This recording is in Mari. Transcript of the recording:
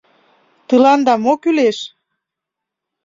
Тыланда мо кӱлеш?